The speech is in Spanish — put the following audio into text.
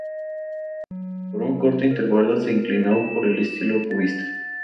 Por un corto intervalo se inclinó por el estilo cubista.